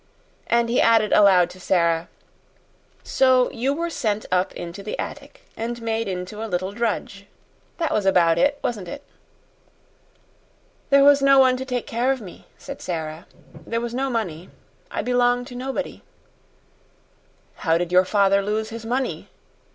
And he added aloud to Sara, "So you were sent up into the attic, and made into a little drudge. That was about it, wasn't it?" "There was no one to take care of me," said Sara. "There was no money; I belong to nobody." "How did your father lose his money?"